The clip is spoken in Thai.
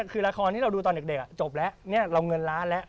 คือละครที่เราดูตอนเด็กจบแล้วเราเงินล้านแล้ว